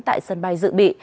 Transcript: tại sân bay dự bị